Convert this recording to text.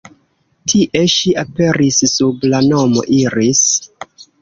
Tie ŝi aperis sub la nomo Iris.